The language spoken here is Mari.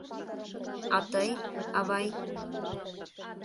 А тый, авай?